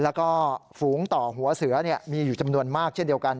แล้วก็ฝูงต่อหัวเสือมีอยู่จำนวนมากเช่นเดียวกัน